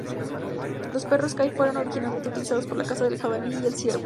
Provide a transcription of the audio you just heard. Los perros Kai fueron originalmente utilizados para la caza del jabalí y el ciervo.